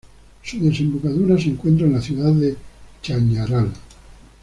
Su desembocadura se encuentra en la ciudad de Chañaral.